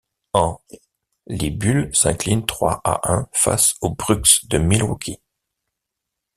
En ', Les Bulls s'inclinent trois à un face aux Bucks de Milwaukee.